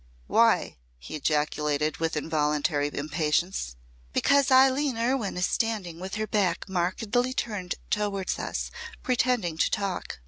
"Why?" he ejaculated with involuntary impatience. "Because Eileen Erwyn is standing with her back markedly turned towards us, pretending to talk.